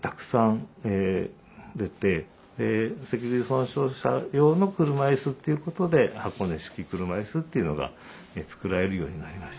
脊髄損傷者用の車いすっていうことで箱根式車椅子っていうのが作られるようになりました。